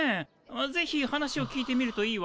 ぜひ話を聞いてみるといいわ。